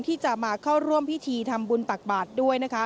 ที่จะมาเข้าร่วมพิธีทำบุญตักบาทด้วยนะคะ